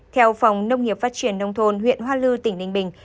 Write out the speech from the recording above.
theo phòng nông nghiệp phát triển nông thôn huyện hoa lư tỉnh ninh bình